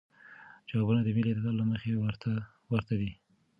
جوابونه د ملی اعتدال له مخې ورته دی.